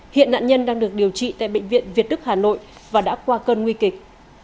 hiện nạn nhân đang được điều trị tại bệnh viện việt đức hà nội và đã qua cơn nguy kịch